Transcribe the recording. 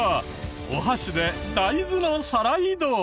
お箸で大豆の皿移動。